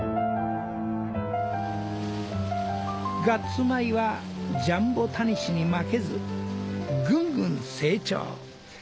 ガッツ米はジャンボタニシに負けずぐんぐん成長。